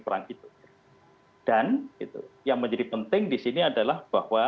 perang itu dan yang menjadi penting di sini adalah bahwa